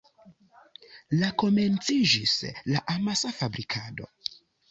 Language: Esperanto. La komenciĝis la amasa fabrikado.